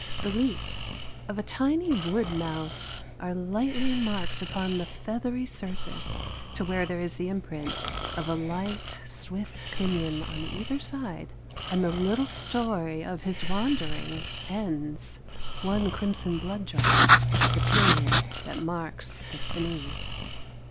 The leaps of a tiny wood mouse are lightly marked upon the feathery surface to where there is the imprint of a light, swift pinion on either side, and the little story of his wandering ends one crimson blood drop the period that marks the finis.